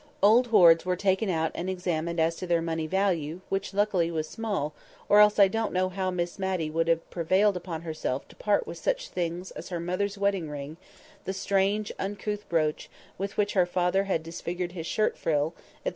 Old hoards were taken out and examined as to their money value which luckily was small, or else I don't know how Miss Matty would have prevailed upon herself to part with such things as her mother's wedding ring, the strange, uncouth brooch with which her father had disfigured his shirt frill, &c.